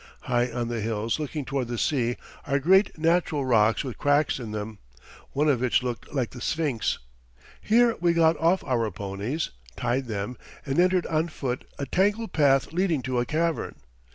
High on the hills looking toward the sea are great natural rocks with cracks in them, one of which looked like the Sphinx. Here we got off our ponies, tied them, and entered on foot a tangled path leading to a cavern.